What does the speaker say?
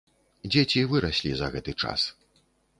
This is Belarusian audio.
Дзеці выраслі за гэты час.